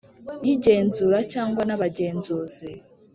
Y igenzura cyangwa n abagenzuzi